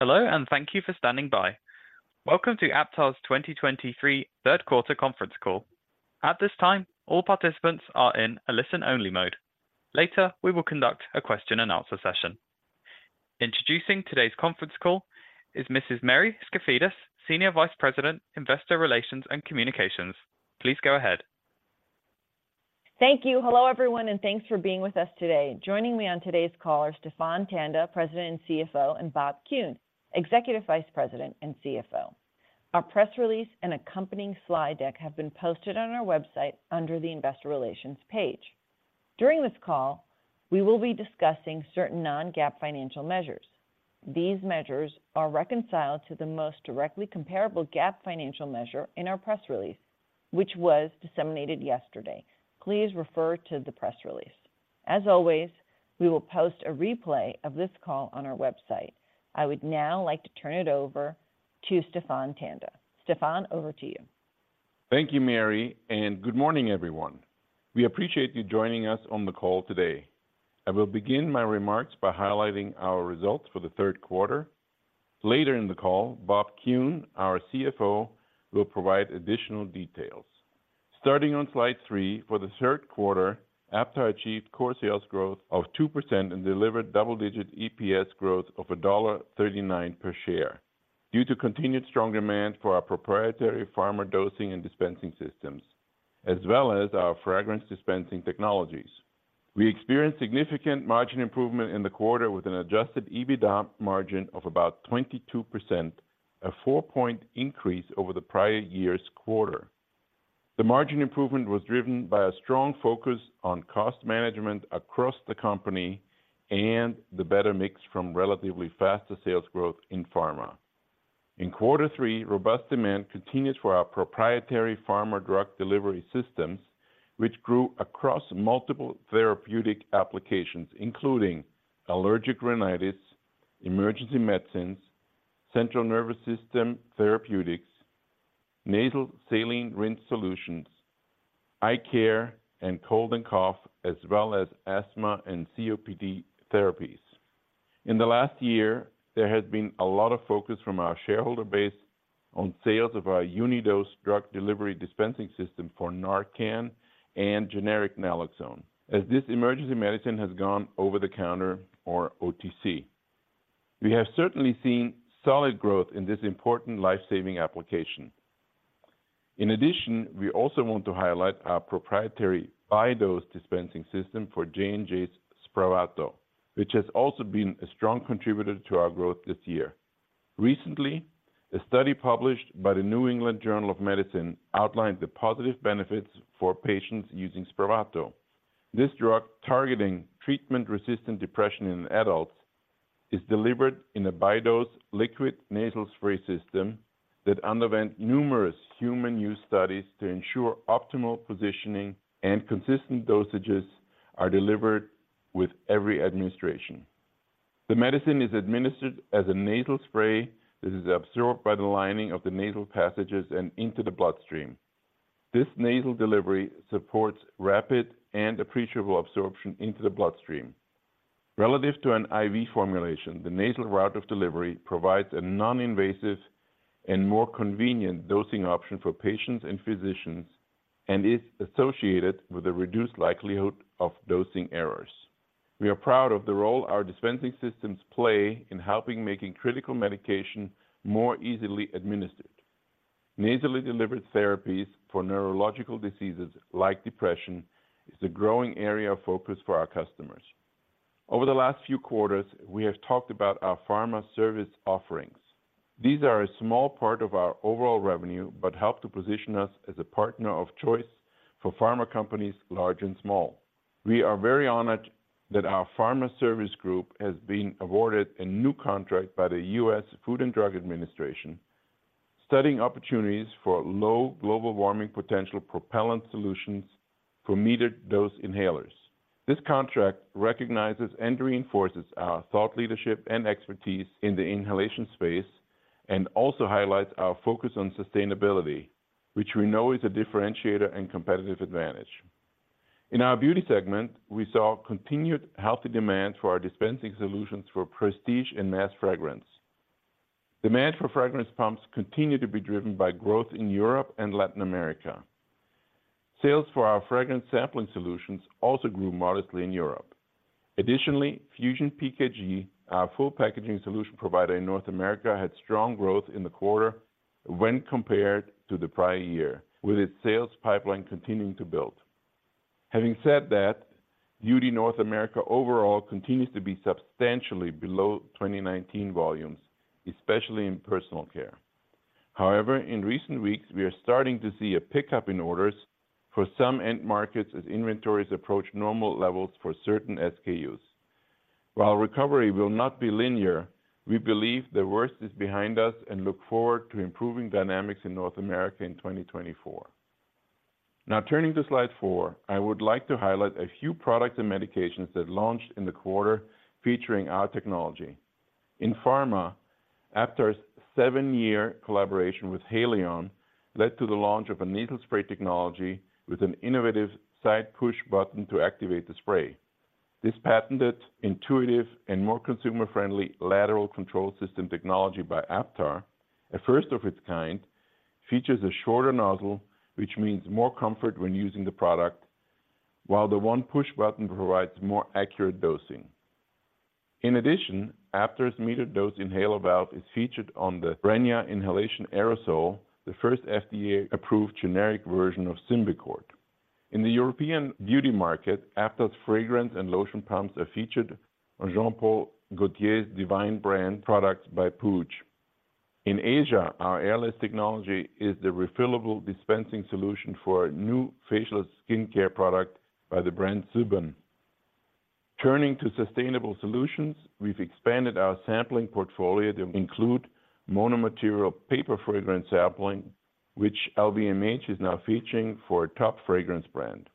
Hello, and thank you for standing by. Welcome to Aptar's 2023 Q3 Conference Call. At this time, all participants are in a listen-only mode. Later, we will conduct a question-and-answer session. Introducing today's conference call is Mrs. Mary Skafidas, Senior Vice President, Investor Relations and Communications. Please go ahead. Thank you. Hello, everyone, and thanks for being with us today. Joining me on today's call are Stephan Tanda, President and CEO, and Bob Kuhn, Executive Vice President and CFO. Our press release and accompanying slide deck have been posted on our website under the Investor Relations page. During this call, we will be discussing certain non-GAAP financial measures. These measures are reconciled to the most directly comparable GAAP financial measure in our press release, which was disseminated yesterday. Please refer to the press release. As always, we will post a replay of this call on our website. I would now like to turn it over to Stephan Tanda. Stephan, over to you. Thank you, Mary, and good morning, everyone. We appreciate you joining us on the call today. I will begin my remarks by highlighting our results for the Q3. Later in the call, Bob Kuhn, our CFO, will provide additional details. Starting on slide three, for the Q3, Aptar achieved core sales growth of 2% and delivered double digit EPS growth of $1.39 per share due to continued strong demand for our proprietary pharma dosing and dispensing systems, as well as our fragrance dispensing technologies. We experienced significant margin improvement in the quarter with an adjusted EBITDA margin of about 22%, a four-point increase over the prior year's quarter. The margin improvement was driven by a strong focus on cost management across the company and the better mix from relatively faster sales growth in pharma. In Q3, robust demand continues for our proprietary pharma drug delivery systems, which grew across multiple therapeutic applications, including allergic rhinitis, emergency medicines, central nervous system therapeutics, nasal saline rinse solutions, eye care, and cold and cough, as well as asthma and COPD therapies. In the last year, there has been a lot of focus from our shareholder base on sales of our Unidose drug delivery dispensing system for NARCAN and generic naloxone as this emergency medicine has gone over the counter or OTC. We have certainly seen solid growth in this important life-saving application. In addition, we also want to highlight our proprietary Bidose dispensing system for J&J's SPRAVATO, which has also been a strong contributor to our growth this year. Recently, a study published by the New England Journal of Medicine outlined the positive benefits for patients using SPRAVATO. This drug, targeting treatment-resistant depression in adults, is delivered in a bi-dose liquid nasal spray system that underwent numerous human use studies to ensure optimal positioning and consistent dosages are delivered with every administration. The medicine is administered as a nasal spray that is absorbed by the lining of the nasal passages and into the bloodstream. This nasal delivery supports rapid and appreciable absorption into the bloodstream. Relative to an IV formulation, the nasal route of delivery provides a non-invasive and more convenient dosing option for patients and physicians and is associated with a reduced likelihood of dosing errors. We are proud of the role our dispensing systems play in helping making critical medication more easily administered. Nasally delivered therapies for neurological diseases like depression is a growing area of focus for our customers. Over the last few quarters, we have talked about our pharma service offerings. These are a small part of our overall revenue, but help to position us as a partner of choice for pharma companies, large and small. We are very honored that our pharma service group has been awarded a new contract by the U.S. Food and Drug Administration, studying opportunities for low global warming potential propellant solutions for metered dose inhalers. This contract recognizes and reinforces our thought leadership and expertise in the inhalation space and also highlights our focus on sustainability, which we know is a differentiator and competitive advantage. In our beauty segment, we saw continued healthy demand for our dispensing solutions for prestige and mass fragrance. Demand for fragrance pumps continued to be driven by growth in Europe and Latin America. Sales for our fragrance sampling solutions also grew modestly in Europe. Additionally, FusionPKG, our full packaging solution provider in North America, had strong growth in the quarter when compared to the prior year, with its sales pipeline continuing to build. Having said that, Beauty North America overall continues to be substantially below 2019 volumes, especially in personal care. However, in recent weeks, we are starting to see a pickup in orders for some end markets as inventories approach normal levels for certain SKUs. While recovery will not be linear, we believe the worst is behind us and look forward to improving dynamics in North America in 2024. Now, turning to slide four, I would like to highlight a few products and medications that launched in the quarter featuring our technology. In pharma, Aptar's seven year collaboration with Haleon led to the launch of a nasal spray technology with an innovative side push button to activate the spray.... This patented, intuitive, and more consumer-friendly Lateral Control System technology by Aptar, a first of its kind, features a shorter nozzle, which means more comfort when using the product, while the one push button provides more accurate dosing. In addition, Aptar's metered dose inhaler valve is featured on the BREYNA inhalation aerosol, the first FDA-approved generic version of Symbicort. In the European beauty market, Aptar's fragrance and lotion pumps are featured on Jean Paul Gaultier's Divine brand products by Puig. In Asia, our airless technology is the refillable dispensing solution for a new facial skincare product by the brand Zhiben. Turning to sustainable solutions, we've expanded our sampling portfolio to include mono material paper fragrance sampling, which LVMH is now featuring for a top fragrance brand.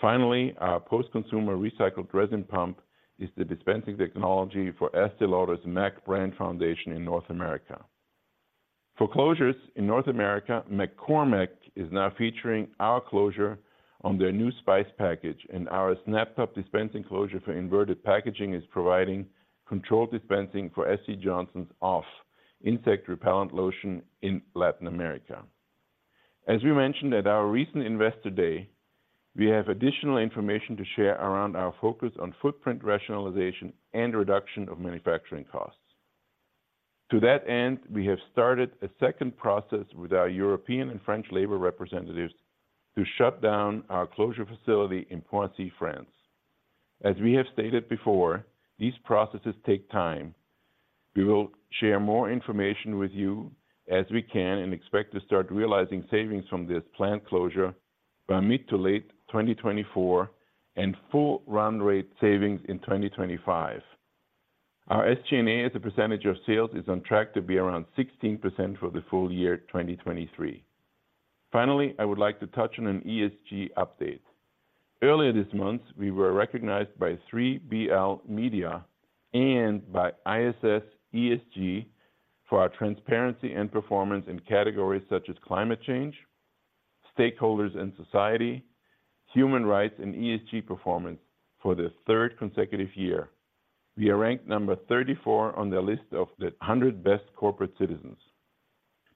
Finally, our post-consumer recycled resin pump is the dispensing technology for Estée Lauder's MAC brand foundation in North America. For closures in North America, McCormick is now featuring our closure on their new spice package, and our snap top dispensing closure for inverted packaging is providing controlled dispensing for SC Johnson's OFF! insect repellent lotion in Latin America. As we mentioned at our recent Investor Day, we have additional information to share around our focus on footprint rationalization and reduction of manufacturing costs. To that end, we have started a second process with our European and French labor representatives to shut down our closure facility in Poissy, France. As we have stated before, these processes take time. We will share more information with you as we can, and expect to start realizing savings from this plant closure by mid- to late 2024, and full run rate savings in 2025. Our SG&A, as a percentage of sales, is on track to be around 16% for the full year 2023. Finally, I would like to touch on an ESG update. Earlier this month, we were recognized by 3BL Media and by ISS ESG for our transparency and performance in categories such as climate change, stakeholders and society, human rights, and ESG performance for the third consecutive year. We are ranked number 34 on their list of the 100 best corporate citizens.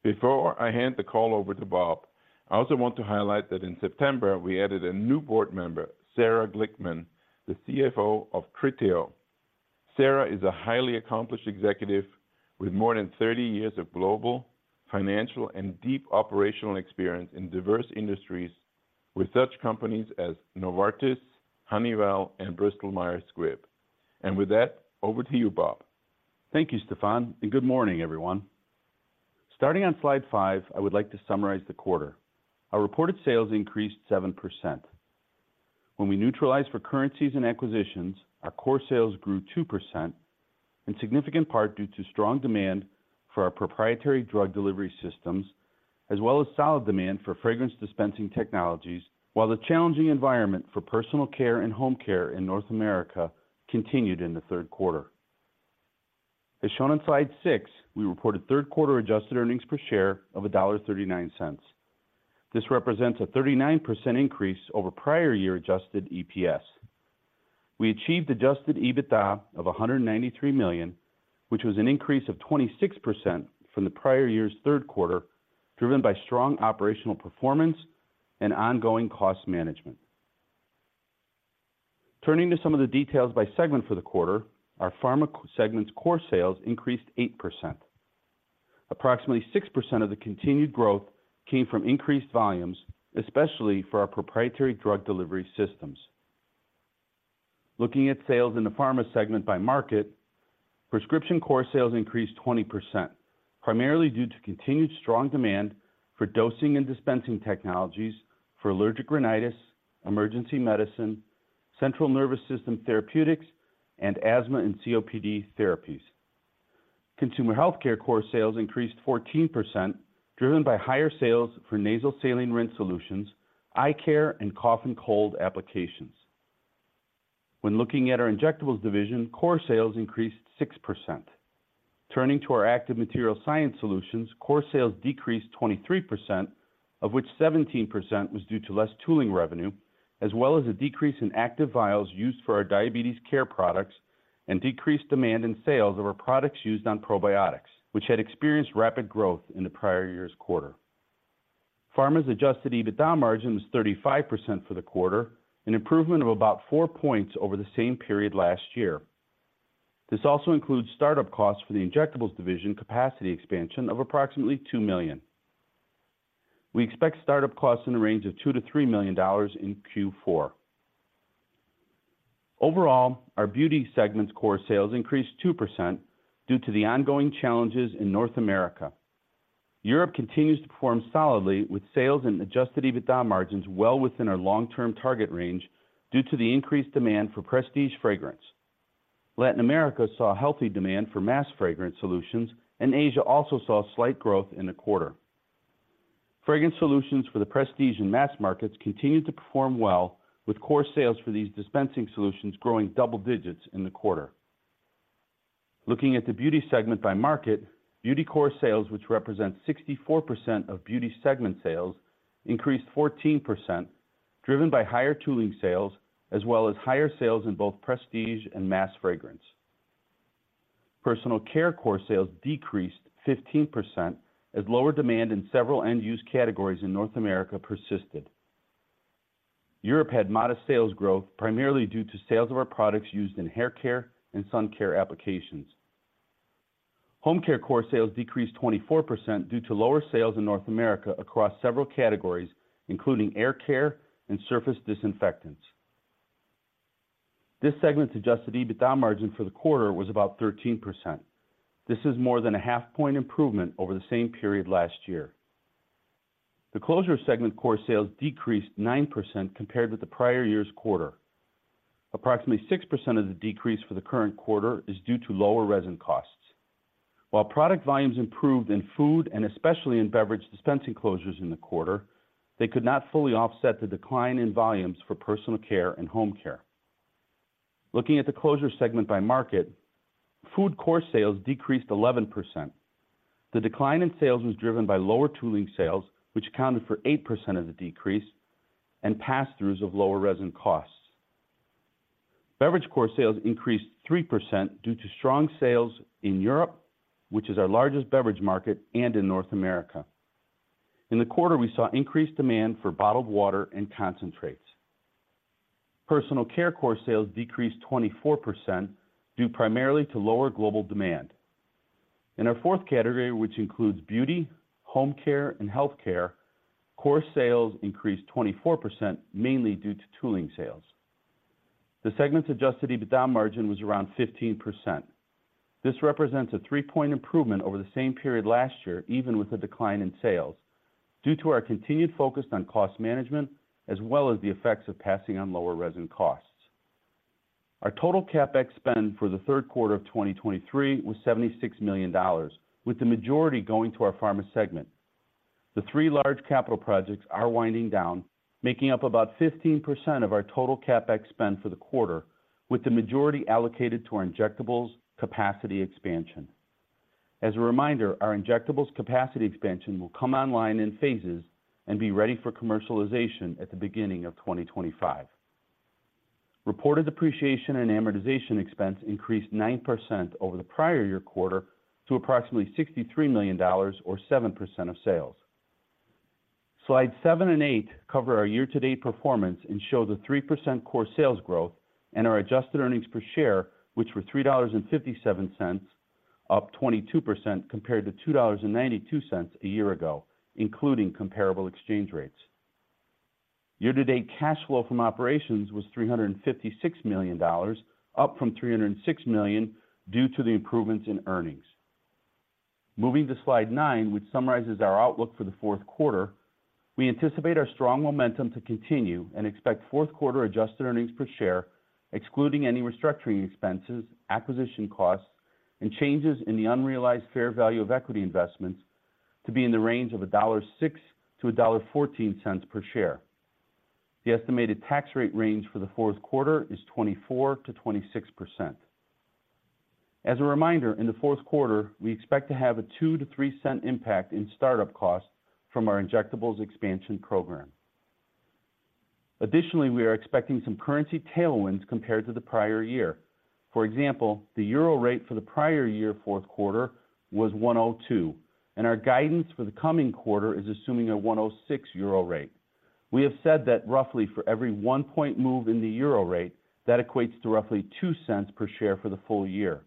Before I hand the call over to Bob, I also want to highlight that in September, we added a new board member, Sarah Glickman, the CFO of Criteo. Sarah is a highly accomplished executive with more than 30 years of global, financial, and deep operational experience in diverse industries with such companies as Novartis, Honeywell, and Bristol Myers Squibb. And with that, over to you, Bob. Thank you, Stephan, and good morning, everyone. Starting on slide five, I would like to summarize the quarter. Our reported sales increased 7%. When we neutralized for currencies and acquisitions, our core sales grew 2%, in significant part due to strong demand for our proprietary drug delivery systems, as well as solid demand for fragrance dispensing technologies, while the challenging environment for personal care and home care in North America continued in the Q3. As shown on slide six, we reported Q3 adjusted earnings per share of $1.39. This represents a 39% increase over prior year adjusted EPS. We achieved adjusted EBITDA of $193 million, which was an increase of 26% from the prior year's Q3, driven by strong operational performance and ongoing cost management. Turning to some of the details by segment for the quarter, our pharma segment's core sales increased 8%. Approximately 6% of the continued growth came from increased volumes, especially for our proprietary drug delivery systems. Looking at sales in the pharma segment by market, prescription core sales increased 20%, primarily due to continued strong demand for dosing and dispensing technologies for allergic rhinitis, emergency medicine, central nervous system therapeutics, and asthma and COPD therapies. Consumer healthcare core sales increased 14%, driven by higher sales for nasal saline rinse solutions, eye care, and cough and cold applications. When looking at our Injectables division, core sales increased 6%. Turning to our Active Material Science Solutions, Core Sales decreased 23%, of which 17% was due to less tooling revenue, as well as a decrease in active vials used for our diabetes care products, and decreased demand in sales of our products used on probiotics, which had experienced rapid growth in the prior year's quarter. Pharma's Adjusted EBITDA margin was 35% for the quarter, an improvement of about four points over the same period last year. This also includes startup costs for the Injectables division capacity expansion of approximately $2 million. We expect startup costs in the range of $2 million-$3 million in Q4. Overall, our Beauty segment's Core Sales increased 2% due to the ongoing challenges in North America. Europe continues to perform solidly, with sales and adjusted EBITDA margins well within our long-term target range due to the increased demand for prestige fragrance. Latin America saw healthy demand for mass fragrance solutions, and Asia also saw slight growth in the quarter. Fragrance solutions for the prestige and mass markets continued to perform well, with core sales for these dispensing solutions growing double digits in the quarter. Looking at the Beauty segment by market, Beauty core sales, which represents 64% of Beauty segment sales, increased 14%, driven by higher tooling sales, as well as higher sales in both prestige and mass fragrance. Personal Care core sales decreased 15% as lower demand in several end-use categories in North America persisted. Europe had modest sales growth, primarily due to sales of our products used in hair care and sun care applications. Home Care core sales decreased 24% due to lower sales in North America across several categories, including air care and surface disinfectants. This segment's adjusted EBITDA margin for the quarter was about 13%. This is more than a 0.5-point improvement over the same period last year. The Closures segment core sales decreased 9% compared with the prior year's quarter. Approximately 6% of the decrease for the current quarter is due to lower resin costs. While product volumes improved in food and especially in beverage dispensing closures in the quarter, they could not fully offset the decline in volumes for personal care and home care. Looking at the Closures segment by market, Food core sales decreased 11%. The decline in sales was driven by lower tooling sales, which accounted for 8% of the decrease, and passthroughs of lower resin costs. Beverage Core Sales increased 3% due to strong sales in Europe, which is our largest beverage market, and in North America. In the quarter, we saw increased demand for bottled water and concentrates. Personal Care Core Sales decreased 24%, due primarily to lower global demand. In our fourth category, which includes beauty, home care, and healthcare, Core Sales increased 24%, mainly due to tooling sales. The segment's Adjusted EBITDA margin was around 15%. This represents a 3 point improvement over the same period last year, even with the decline in sales, due to our continued focus on cost management, as well as the effects of passing on lower resin costs. Our total CapEx spend for the Q3 of 2023 was $76 million, with the majority going to our Pharma segment. The three large capital projects are winding down, making up about 15% of our total CapEx spend for the quarter, with the majority allocated to our injectables capacity expansion. As a reminder, our injectables capacity expansion will come online in phases and be ready for commercialization at the beginning of 2025. Reported depreciation and amortization expense increased 9% over the prior year quarter to approximately $63 million or 7% of sales. Slides seven and eight cover our year-to-date performance and show the 3% core sales growth and our adjusted earnings per share, which were $3.57, up 22% compared to $2.92 a year ago, including comparable exchange rates. Year-to-date cash flow from operations was $356 million, up from $306 million due to the improvements in earnings. Moving to slide nine, which summarizes our outlook for the Q4, we anticipate our strong momentum to continue and expect Q4 adjusted earnings per share, excluding any restructuring expenses, acquisition costs, and changes in the unrealized fair value of equity investments to be in the range of $1.06-$1.14 per share. The estimated tax rate range for the Q4 is 24%-26%. As a reminder, in the Q4, we expect to have a $0.02-$0.03 impact in startup costs from our injectables expansion program. Additionally, we are expecting some currency tailwinds compared to the prior year. For example, the euro rate for the prior year Q4 was 1.02, and our guidance for the coming quarter is assuming a 1.06 euro rate. We have said that roughly for every 1-point move in the euro rate, that equates to roughly $0.02 per share for the full year.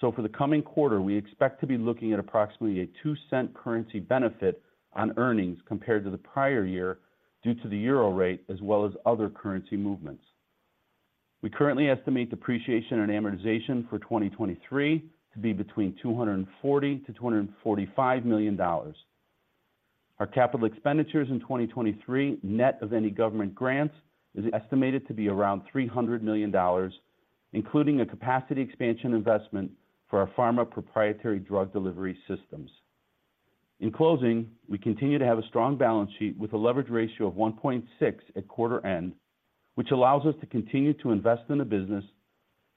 So for the coming quarter, we expect to be looking at approximately a $0.02 currency benefit on earnings compared to the prior year due to the euro rate, as well as other currency movements. We currently estimate depreciation and amortization for 2023 to be between $240 million and $245 million. Our capital expenditures in 2023, net of any government grants, is estimated to be around $300 million, including a capacity expansion investment for our pharma proprietary drug delivery systems. In closing, we continue to have a strong balance sheet with a leverage ratio of 1.6 at quarter end, which allows us to continue to invest in the business,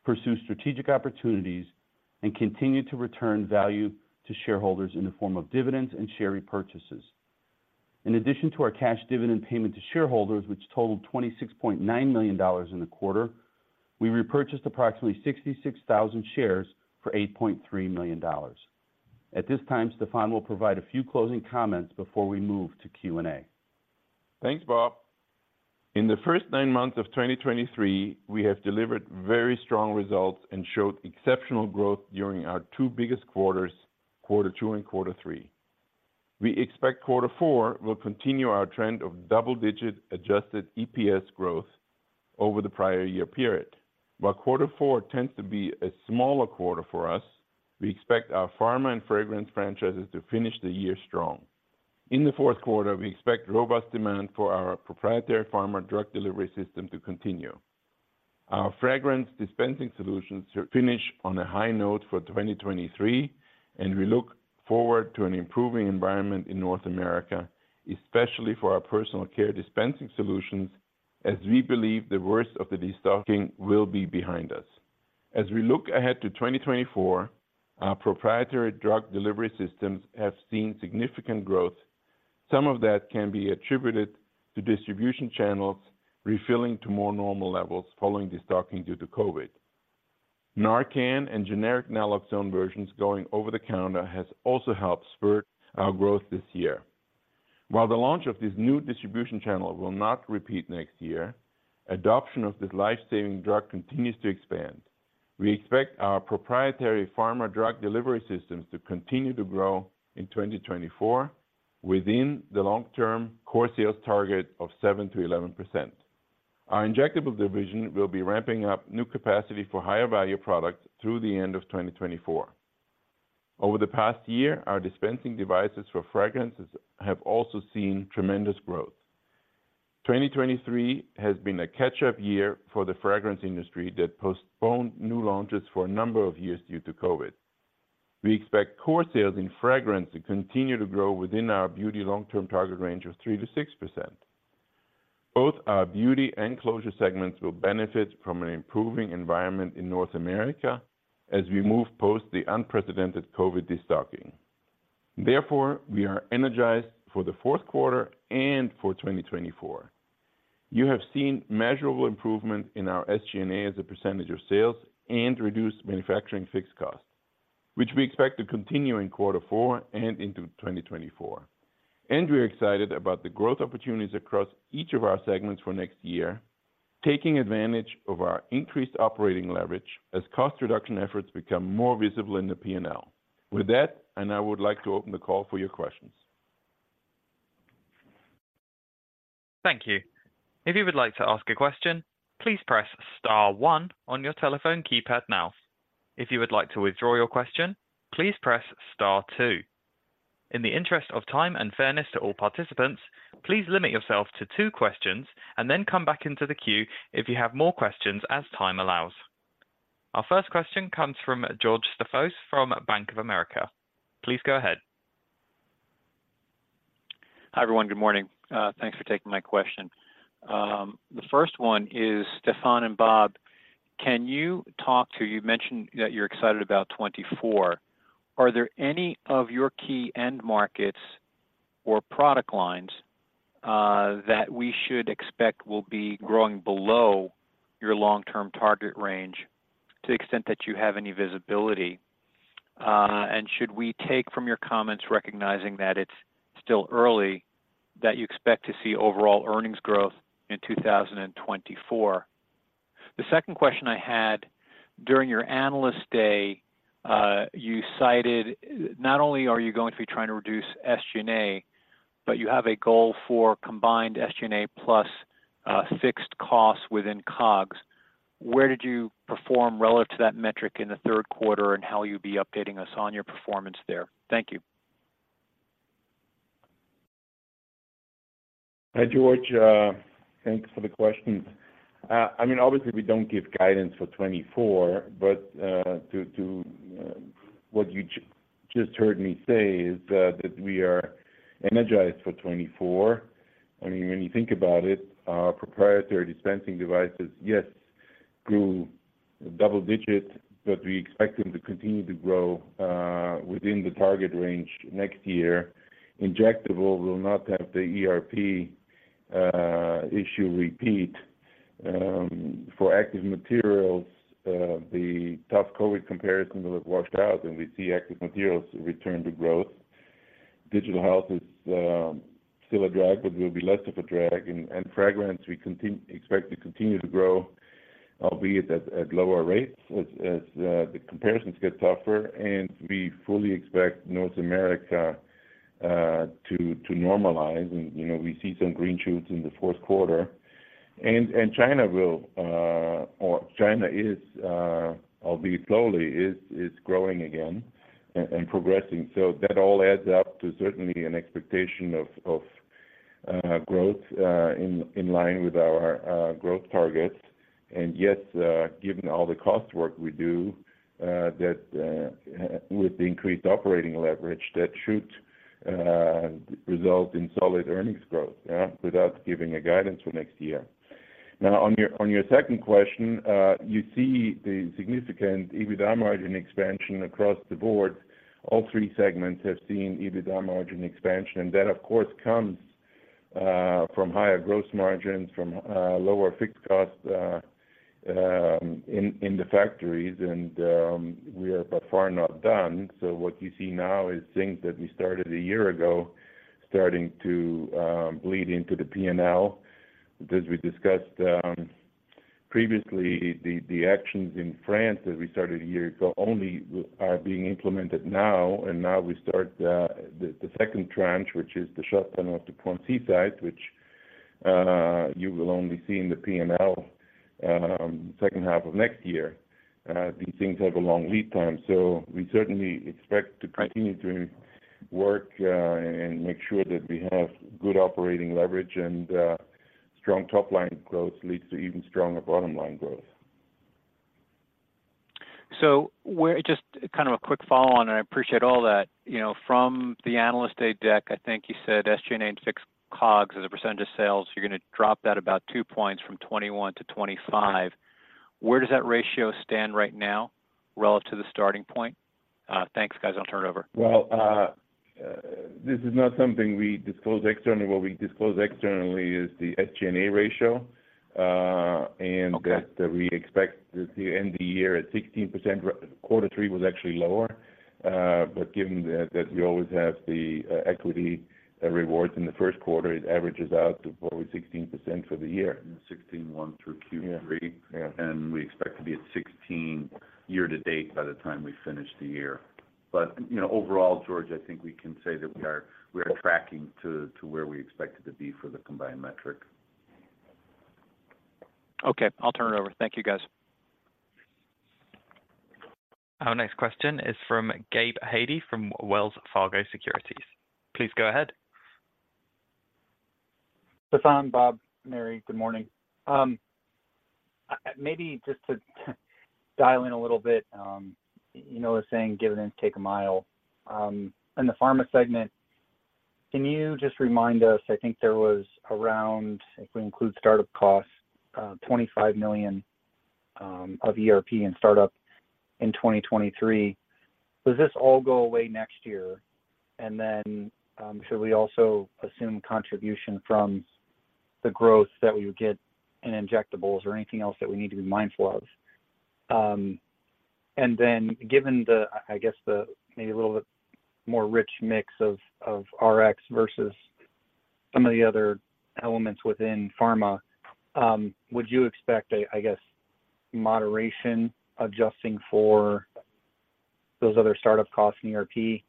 pursue strategic opportunities, and continue to return value to shareholders in the form of dividends and share repurchases. In addition to our cash dividend payment to shareholders, which totaled $26.9 million in the quarter, we repurchased approximately 66,000 shares for $8.3 million. At this time, Stephan will provide a few closing comments before we move to Q&A. Thanks, Bob. In the first nine months of 2023, we have delivered very strong results and showed exceptional growth during our two biggest quarters, Q2 and Q3. We expect Q4 will continue our trend of double digit Adjusted EPS growth over the prior year period. While Q4 tends to be a smaller quarter for us, we expect our pharma and fragrance franchises to finish the year strong. In the Q4, we expect robust demand for our proprietary pharma drug delivery system to continue. Our fragrance dispensing solutions to finish on a high note for 2023, and we look forward to an improving environment in North America, especially for our personal care dispensing solutions as we believe the worst of the destocking will be behind us. As we look ahead to 2024, our proprietary drug delivery systems have seen significant growth. Some of that can be attributed to distribution channels refilling to more normal levels following destocking due to COVID. NARCAN and generic naloxone versions going over the counter has also helped spur our growth this year. While the launch of this new distribution channel will not repeat next year, adoption of this life-saving drug continues to expand. We expect our proprietary pharma drug delivery systems to continue to grow in 2024 within the long-term core sales target of 7%-11%. Our injectable division will be ramping up new capacity for higher value products through the end of 2024. Over the past year, our dispensing devices for fragrances have also seen tremendous growth. 2023 has been a catch-up year for the fragrance industry that postponed new launches for a number of years due to COVID. We expect core sales in fragrance to continue to grow within our beauty long-term target range of 3%-6%. Both our beauty and closures segments will benefit from an improving environment in North America as we move post the unprecedented COVID destocking. Therefore, we are energized for the Q4 and for 2024. You have seen measurable improvement in our SG&A as a percentage of sales and reduced manufacturing fixed costs, which we expect to continue in Q4 and into 2024. We are excited about the growth opportunities across each of our segments for next year, taking advantage of our increased operating leverage as cost reduction efforts become more visible in the P&L. With that, and I would like to open the call for your questions. Thank you. If you would like to ask a question, please press star one on your telephone keypad now. If you would like to withdraw your question, please press star two. In the interest of time and fairness to all participants, please limit yourself to two questions and then come back into the queue if you have more questions as time allows. Our first question comes from George Staphos from Bank of America. Please go ahead. Hi, everyone. Good morning. Thanks for taking my question. The first one is, Stephan and Bob, can you talk to-- you mentioned that you're excited about 2024. Are there any of your key end markets or product lines that we should expect will be growing below your long-term target range to the extent that you have any visibility? Should we take from your comments, recognizing that it's still early, that you expect to see overall earnings growth in 2024? The second question I had, during your Analyst Day, you cited, not only are you going to be trying to reduce SG&A, but you have a goal for combined SG&A plus fixed costs within COGS. Where did you perform relative to that metric in the Q3, and how will you be updating us on your performance there? Thank you. Hi, George. Thanks for the questions. I mean, obviously, we don't give guidance for 2024, but to what you just heard me say is that we are energized for 2024. I mean, when you think about it, our proprietary dispensing devices, yes, grew double digit, but we expect them to continue to grow within the target range next year. Injectable will not have the ERP issue repeat. For active materials, the tough COVID comparisons will have washed out, and we see active materials return to growth. Digital health is still a drag, but will be less of a drag. Fragrance, we expect to continue to grow, albeit at lower rates as the comparisons get tougher, and we fully expect North America to normalize. You know, we see some green shoots in the Q4. China is, albeit slowly, growing again and progressing. That all adds up to certainly an expectation of growth in line with our growth targets. Yes, given all the cost work we do, that with the increased operating leverage, that should result in solid earnings growth, yeah, without giving a guidance for next year. Now, on your second question, you see the significant EBITDA margin expansion across the board. All three segments have seen EBITDA margin expansion, and that, of course, comes from higher gross margins, from lower fixed costs in the factories, and we are by far not done. So what you see now is things that we started a year ago, starting to bleed into the P&L. As we discussed previously, the actions in France that we started a year ago only are being implemented now, and now we start the second tranche, which is the shutdown of the Poissy site, which you will only see in the P&L H2 of next year. These things have a long lead time, so we certainly expect to continue to work and make sure that we have good operating leverage and strong top-line growth leads to even stronger bottom-line growth.... So where, just kind of a quick follow-on, and I appreciate all that. You know, from the Analyst Day deck, I think you said SG&A and fixed COGS as a percentage of sales, you're gonna drop that about two points from 2021 to 2025. Where does that ratio stand right now relative to the starting point? Thanks, guys. I'll turn it over. Well, this is not something we disclose externally. What we disclose externally is the SG&A ratio, Okay. - and that we expect to end the year at 16%. Q3 was actually lower, but given that we always have the equity rewards in the Q1, it averages out to probably 16% for the year. 16.1 through Q3. Yeah, yeah. We expect to be at 16% year-to-date by the time we finish the year. You know, overall, George, I think we can say that we are tracking to where we expected to be for the combined metric. Okay, I'll turn it over. Thank you, guys. Our next question is from Gabe Hajde from Wells Fargo Securities. Please go ahead. Stephan, Bob, Mary, good morning. Maybe just to dial in a little bit, you know the saying, give an inch, take a mile. In the pharma segment, can you just remind us, I think there was around, if we include startup costs, $25 million, of ERP and startup in 2023. Does this all go away next year? And then, should we also assume contribution from the growth that we would get in injectables or anything else that we need to be mindful of? And then given the, I guess, maybe a little bit more rich mix of, of Rx versus some of the other elements within pharma, would you expect a, I guess, moderation, adjusting for those other startup costs in ERP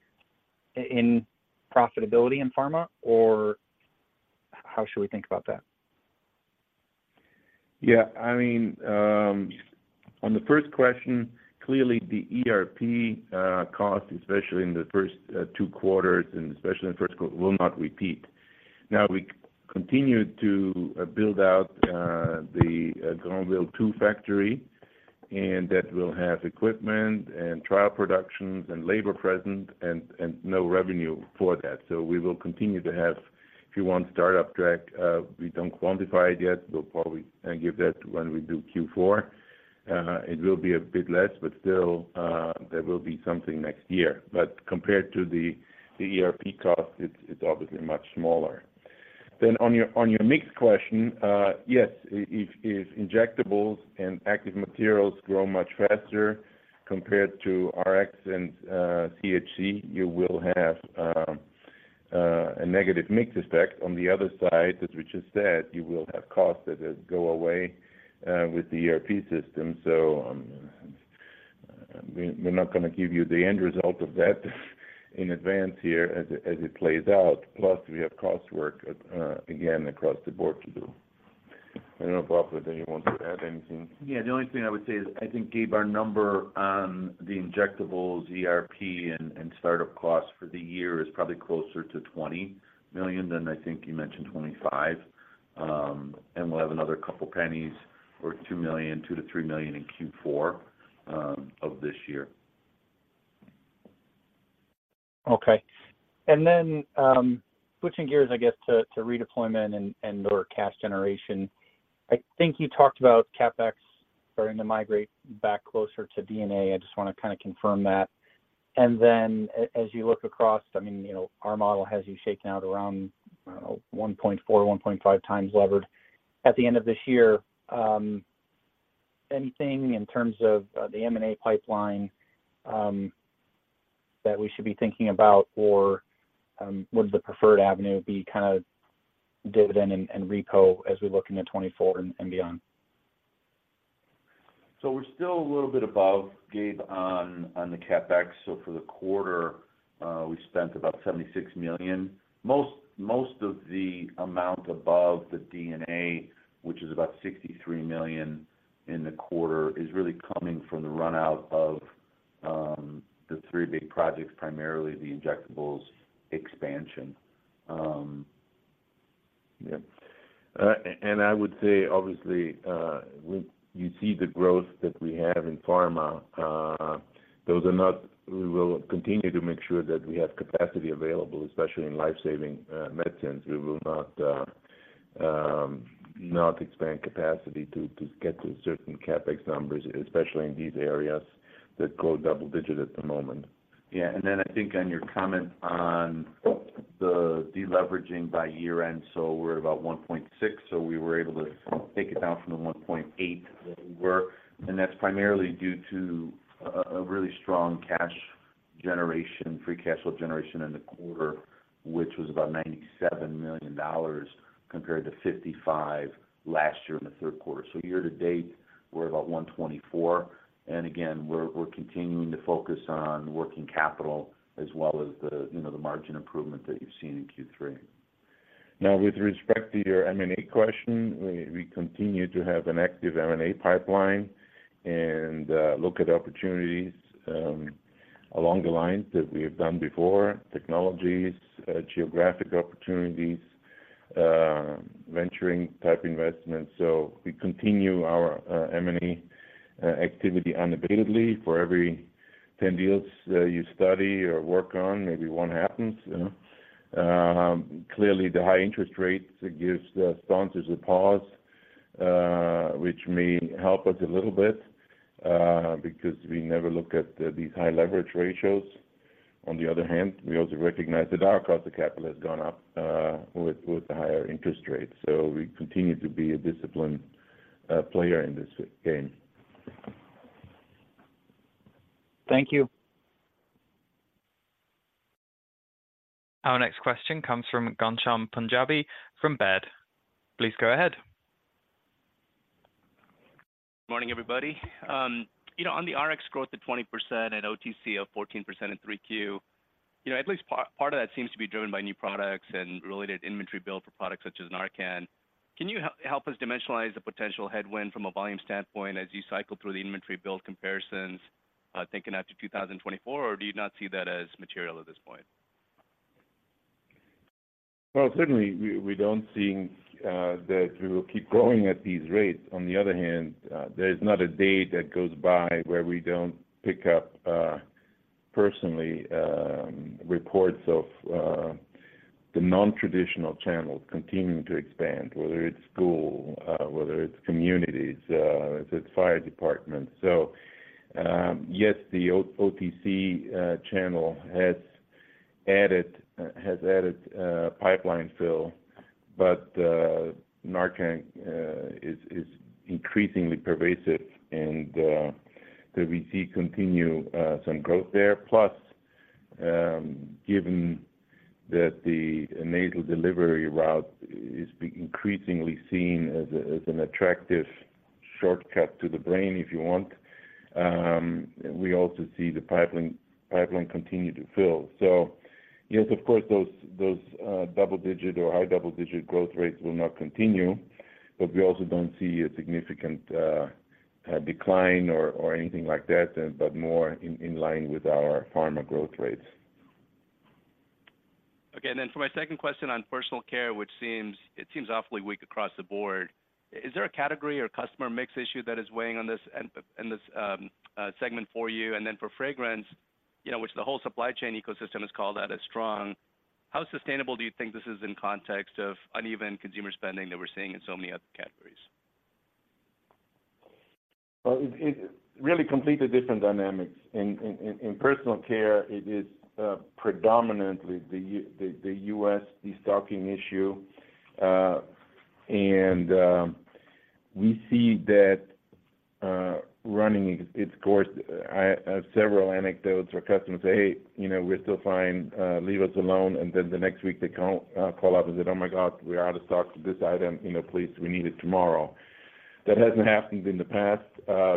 in profitability in pharma, or how should we think about that? Yeah, I mean, on the first question, clearly the ERP cost, especially in the first two quarters, and especially in the first quarter, will not repeat. Now, we continue to build out the Granville Two factory, and that will have equipment and trial productions and labor present and no revenue for that. So we will continue to have, if you want, startup drag. We don't quantify it yet. We'll probably give that when we do Q4. It will be a bit less, but still, there will be something next year. But compared to the ERP cost, it's obviously much smaller. Then on your mix question, yes, if injectables and active materials grow much faster compared to Rx and CHC, you will have a negative mix effect. On the other side, as we just said, you will have costs that go away with the ERP system. So, we're not gonna give you the end result of that in advance here as it plays out. Plus, we have cost work again across the board to do. I don't know, Bob, if you want to add anything? Yeah, the only thing I would say is, I think, Gabe, our number on the injectables, ERP, and startup costs for the year is probably closer to $20 million than I think you mentioned $25 million. And we'll have another couple pennies or $2 million, $2-3 million in Q4 of this year. Okay. And then, switching gears, I guess, to redeployment and/or cash generation. I think you talked about CapEx starting to migrate back closer to DNA. I just wanna kind of confirm that. And then as you look across, I mean, you know, our model has you shaking out around, I don't know, 1.4, 1.5 times levered at the end of this year. Anything in terms of the M&A pipeline that we should be thinking about, or would the preferred avenue be kind of dividend and repo as we look into 2024 and beyond? So we're still a little bit above, Gabe, on, on the CapEx. So for the quarter, we spent about $76 million. Most, most of the amount above the plan, which is about $63 million in the quarter, is really coming from the run out of, the three big projects, primarily the injectables expansion. Yeah. And I would say, obviously, when you see the growth that we have in pharma, those are not—we will continue to make sure that we have capacity available, especially in life-saving medicines. We will not expand capacity to get to certain CapEx numbers, especially in these areas that grow double-digit at the moment. Yeah, and then I think on your comment on the deleveraging by year-end, so we're about 1.6, so we were able to take it down from the 1.8 that we were. And that's primarily due to a really strong cash generation, free cash flow generation in the quarter, which was about $97 million, compared to $55 million last year in the Q3. So year to date, we're about $124 million. And again, we're continuing to focus on working capital as well as the, you know, the margin improvement that you've seen in Q3. Now, with respect to your M&A question, we continue to have an active M&A pipeline and look at opportunities along the lines that we have done before, technologies, geographic opportunities, venturing type investments. So we continue our M&A activity unabatedly. For every 10 deals you study or work on, maybe one happens, you know? Clearly, the high interest rates gives the sponsors a pause, which may help us a little bit, because we never look at these high leverage ratios. On the other hand, we also recognize that our cost of capital has gone up with the higher interest rates. So we continue to be a disciplined player in this game. Thank you. Our next question comes from Ghansham Panjabi from Baird. Please go ahead. Morning, everybody. You know, on the RX growth of 20% and OTC of 14% in Q3, you know, at least part of that seems to be driven by new products and related inventory build for products such as NARCAN. Can you help us dimensionalize the potential headwind from a volume standpoint as you cycle through the inventory build comparisons, thinking after 2024, or do you not see that as material at this point? Well, certainly, we don't think that we will keep growing at these rates. On the other hand, there is not a day that goes by where we don't pick up personally reports of the non-traditional channels continuing to expand, whether it's school, whether it's communities, if it's fire departments. So, yes, the OTC channel has added pipeline fill, but NARCAN is increasingly pervasive and that we see continue some growth there. Plus, given that the nasal delivery route is increasingly seen as an attractive shortcut to the brain, if you want, we also see the pipeline continue to fill. So yes, of course, those double digit or high double digit growth rates will not continue, but we also don't see a significant decline or anything like that, but more in line with our pharma growth rates. Okay, and then for my second question on personal care, which seems, it seems awfully weak across the board. Is there a category or customer mix issue that is weighing on this segment for you? And then for fragrance, you know, which the whole supply chain ecosystem has called out as strong, how sustainable do you think this is in context of uneven consumer spending that we're seeing in so many other categories? Well, it's really completely different dynamics. In personal care, it is predominantly the U.S. destocking issue. And we see that running its course. I have several anecdotes where customers say, "Hey, you know, we're still fine, leave us alone." And then the next week, they call up and say, "Oh my God, we're out of stock for this item. You know, please, we need it tomorrow." That hasn't happened in the past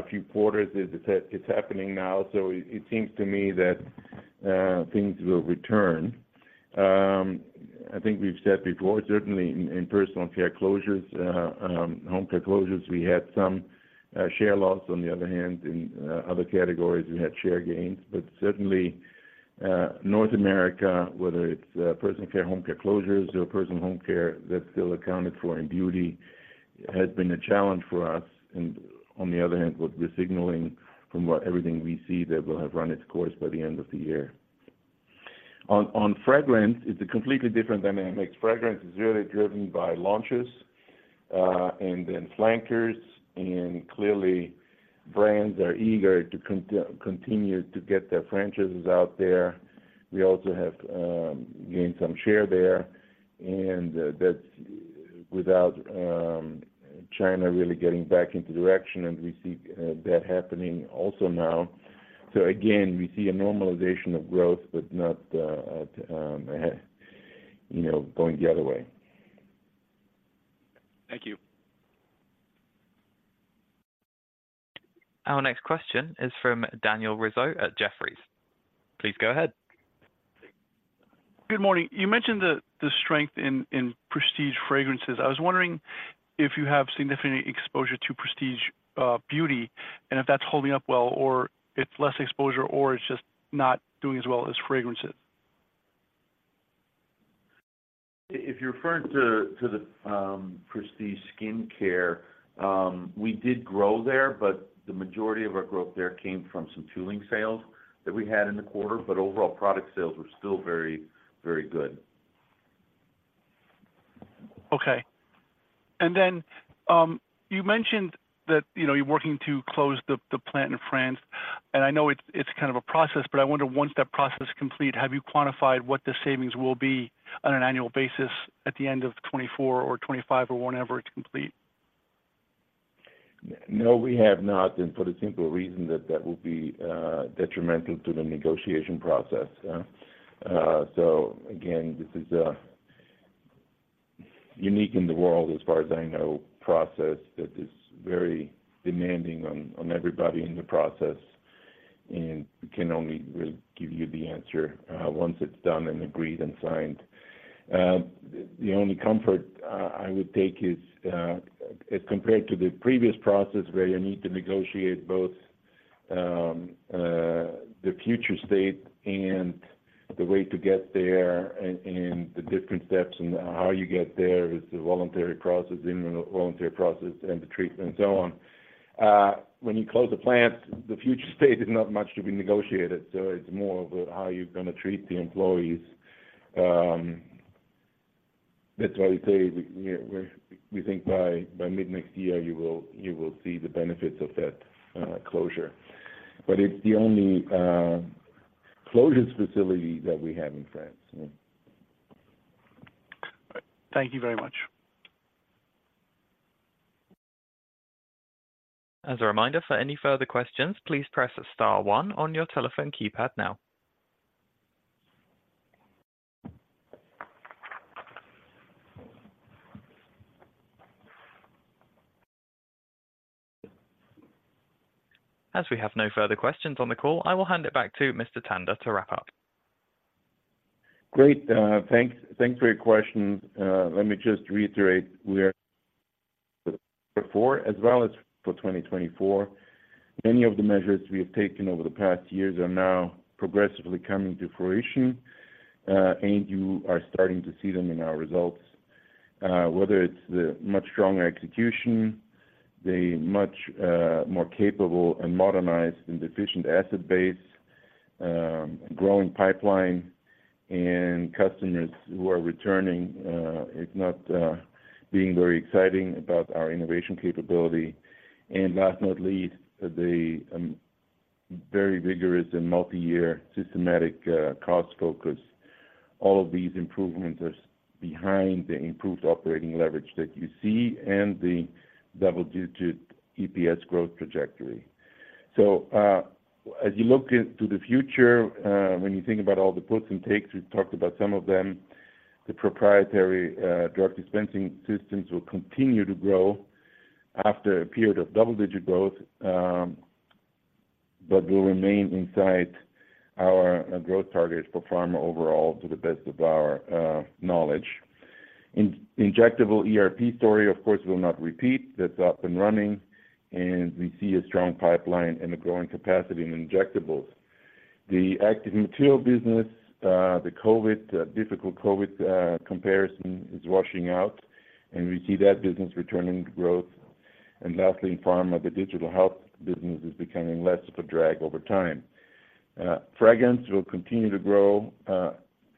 few quarters. It's happening now, so it seems to me that things will return. I think we've said before, certainly in personal care closures, home care closures, we had some share loss. On the other hand, in other categories, we had share gains. But certainly, North America, whether it's personal care, home care closures or personal home care, that's still accounted for in beauty, has been a challenge for us. And on the other hand, what we're signaling from what everything we see, that will have run its course by the end of the year. On fragrance, it's a completely different dynamics. Fragrance is really driven by launches, and then flankers, and clearly, brands are eager to continue to get their franchises out there. We also have gained some share there, and that's without China really getting back into direction, and we see that happening also now. So again, we see a normalization of growth, but not, you know, going the other way. Thank you. Our next question is from Daniel Rizzo at Jefferies. Please go ahead. Good morning. You mentioned the strength in prestige fragrances. I was wondering if you have significant exposure to prestige beauty, and if that's holding up well, or it's less exposure, or it's just not doing as well as fragrances? If you're referring to the prestige skincare, we did grow there, but the majority of our growth there came from some tooling sales that we had in the quarter, but overall, product sales were still very, very good. Okay. And then, you mentioned that, you know, you're working to close the plant in France, and I know it's kind of a process, but I wonder once that process is complete, have you quantified what the savings will be on an annual basis at the end of 2024 or 2025 or whenever it's complete? No, we have not, and for the simple reason that that would be detrimental to the negotiation process. So again, this is a unique in the world, as far as I know, process that is very demanding on everybody in the process, and we can only really give you the answer once it's done and agreed and signed. The only comfort I would take is as compared to the previous process, where you need to negotiate both the future state and the way to get there and the different steps and how you get there, the voluntary process, involuntary process and the treatment and so on. When you close a plant, the future state is not much to be negotiated, so it's more of a how you're gonna treat the employees. That's why we say we think by mid-next year you will see the benefits of that closure. But it's the only closure facility that we have in France. Thank you very much. As a reminder, for any further questions, please press star one on your telephone keypad now. As we have no further questions on the call, I will hand it back to Mr. Tanda to wrap up. Great. Thanks, thanks for your question. Let me just reiterate, we are before as well as for 2024. Many of the measures we have taken over the past years are now progressively coming to fruition, and you are starting to see them in our results. Whether it's the much stronger execution, the much more capable and modernized and efficient asset base, growing pipeline and customers who are returning, if not being very exciting about our innovation capability. And last but not least, the very vigorous and multi-year systematic cost focus. All of these improvements are behind the improved operating leverage that you see and the double-digit EPS growth trajectory. So, as you look into the future, when you think about all the puts and takes, we've talked about some of them, the proprietary drug dispensing systems will continue to grow after a period of double digit growth, but will remain inside our growth target for pharma overall, to the best of our knowledge. Injectable ERP story, of course, will not repeat. That's up and running, and we see a strong pipeline and a growing capacity in injectables. The active material business, the COVID difficult COVID comparison is washing out, and we see that business returning to growth. And lastly, in pharma, the digital health business is becoming less of a drag over time. Fragrance will continue to grow,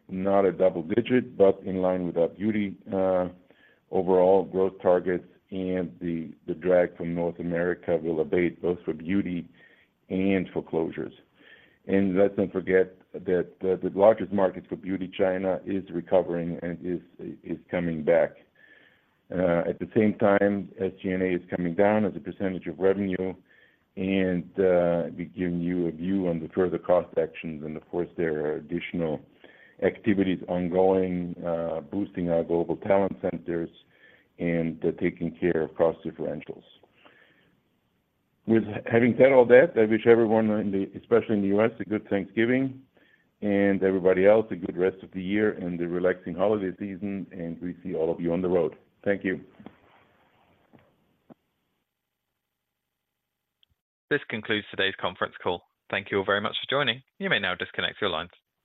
not a double digit, but in line with our beauty overall growth targets and the, the drag from North America will abate, both for beauty and for closures. Let's not forget that the largest market for beauty, China, is recovering and is, is coming back. At the same time, SG&A is coming down as a percentage of revenue, and we've given you a view on the further cost actions, and of course, there are additional activities ongoing, boosting our global talent centers and taking care of cost differentials. With having said all that, I wish everyone in the, especially in the U.S., a good Thanksgiving, and everybody else, a good rest of the year and a relaxing holiday season, and we see all of you on the road. Thank you. This concludes today's conference call. Thank you all very much for joining. You may now disconnect your lines.